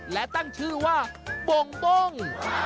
และตั้งชื่อว่าโบ่ง